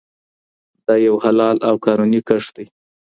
دا یو حلال او قانوني کښت دی.